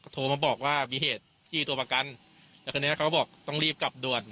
โทรมาบอกว่ามีเหตุจี้ตัวประกันแล้วคราวนี้เขาก็บอกต้องรีบกลับด่วน